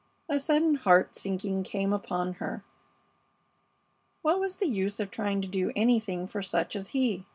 A sudden heart sinking came upon her. What was the use of trying to do anything for such as he?